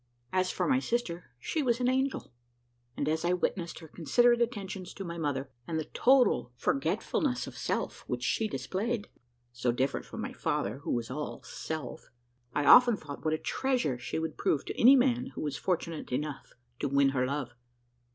As for my sister, she was an angel; and as I witnessed her considerate attentions to my mother, and the total forgetfulness of self which she displayed (so different from my father, who was all self), I often thought what a treasure she would prove to any man who was fortunate enough to win her love.